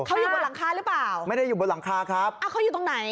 เขาอยู่บนหลังคาหรือเปล่าไม่ได้อยู่บนหลังคาครับอ้าวเขาอยู่ตรงไหน